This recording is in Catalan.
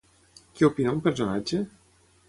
Què opina un personatge?